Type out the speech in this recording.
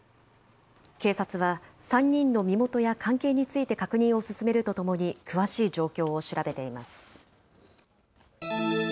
警察は３人の身元や関係について確認を進めるとともに、詳しい状況を調べています。